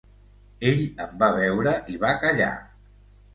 Ell em va veure i va callar.